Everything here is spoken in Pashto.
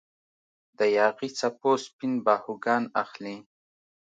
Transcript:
د یاغي څپو سپین باهوګان اخلي